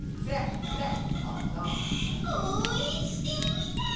おうえんしてるみたい！